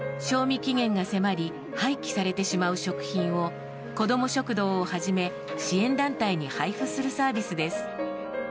賞味期限が迫り廃棄されてしまう食品を子ども食堂をはじめ支援団体に配布するサービスです。